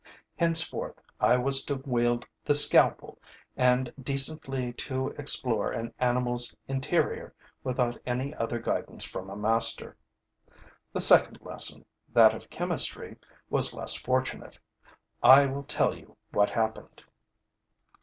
Henceforth, I was to wield the scalpel and decently to explore an animal's interior without any other guidance from a master. The second lesson, that of chemistry, was less fortunate. I will tell you what happened.